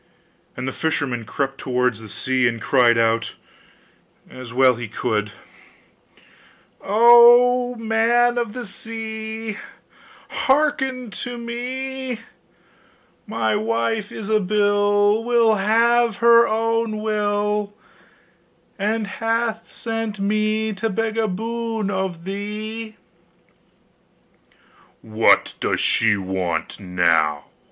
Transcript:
And the fisherman crept towards the sea, and cried out, as well as he could: 'O man of the sea! Hearken to me! My wife Ilsabill Will have her own will, And hath sent me to beg a boon of thee!' 'What does she want now?